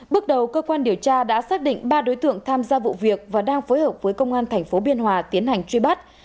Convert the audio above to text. bước đầu cơ quan điều tra đã xác định ba đối tượng tham gia vụ việc và đang phối hợp với công an tp biên hòa tiến hành truy bắt